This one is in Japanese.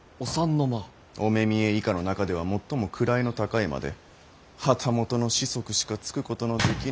御目見以下の中では最も位の高い間で旗本の子息しかつくことのできぬ。